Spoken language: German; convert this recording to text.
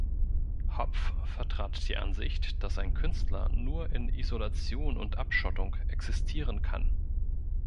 Hopf vertrat die Ansicht, dass ein Künstler nur in Isolation und Abschottung existieren kann.